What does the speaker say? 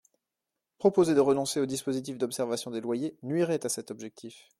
Proposer de renoncer au dispositif d’observation des loyers nuirait à cet objectif.